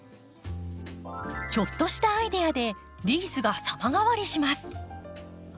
ちょっとしたアイデアでリースが様変わりします。